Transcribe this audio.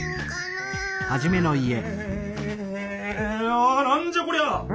あなんじゃこりゃ？